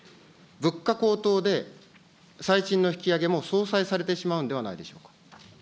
物価高騰で最賃の引き上げも相殺されてしまうんではないでしょう